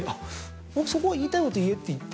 そこは言いたいことを言えって言って。